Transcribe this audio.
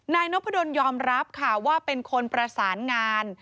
นายนพดลยอมรับค่ะว่าเป็นคนประสานงาน